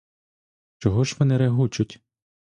Чого ж вони регочуть?